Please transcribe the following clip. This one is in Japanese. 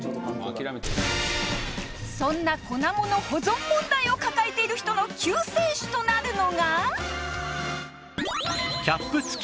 そんな粉物保存問題を抱えている人の救世主となるのが